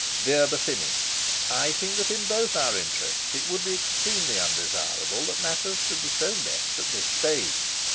"DEAR BOSINNEY, "I think that in both our interests it would be extremely undesirable that matters should be so left at this stage.